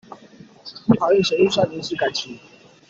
立法院審預算臨時改期